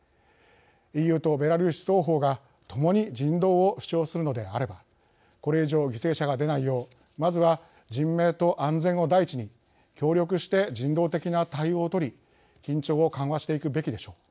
ＥＵとベラルーシ双方がともに人道を主張するのであればこれ以上、犠牲者が出ないようまずは人命と安全を第一に協力して人道的な対応をとり緊張を緩和していくべきでしょう。